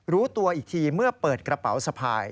รู้ตัวอีกทีเมื่อเปิดกระเป๋าสะพาย